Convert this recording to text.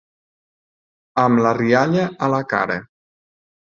Amb la rialla a la cara.